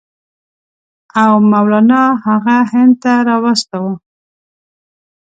او مولنا هغه هند ته واستاوه.